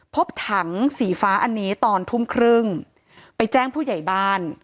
พบถังสีฟ้าอันนี้ตอนทุ่มครึ่งไปแจ้งผู้ใหญ่บ้าน